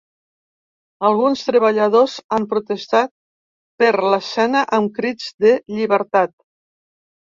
Alguns treballadors han protestat per l’escena amb crits de ‘llibertat’.